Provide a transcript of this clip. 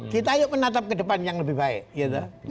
kita ayo menatap ke depan yang lebih baik gitu